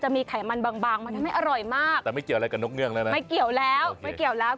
ไม่อร่อยมากแต่ไม่เกี่ยวอะไรกับนกเนื่องแล้วนะไม่เกี่ยวแล้วไม่เกี่ยวแล้ว